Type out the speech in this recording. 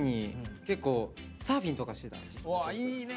いいね！